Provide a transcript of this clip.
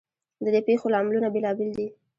ددې پیښو لاملونه بیلابیل دي.